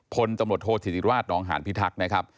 พตโธทศิติราชน์หานภิทักษ์นะครับ